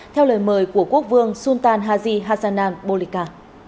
theo lời mời của quốc vương sultan haji hassanan bolika